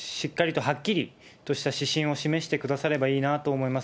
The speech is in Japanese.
とにかくしっかりと、はっきりとした指針を示してくださればいいなと思います。